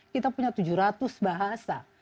kita punya tujuh ratus bahasa